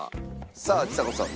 さあちさ子さん